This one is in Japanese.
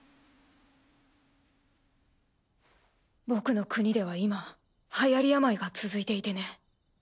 僕の国では今はやり病が続いていてね。